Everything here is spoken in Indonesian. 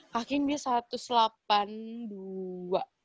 kak kim dia satu ratus delapan puluh dua